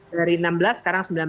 dari enam belas sekarang sembilan belas